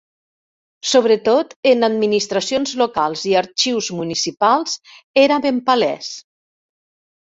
Sobretot en administracions locals i arxius municipals era ben palès.